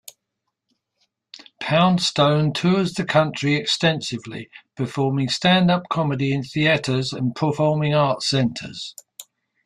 Poundstone tours the country extensively, performing stand-up comedy in theaters and performing arts centers.